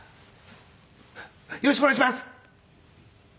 「よろしくお願いします」。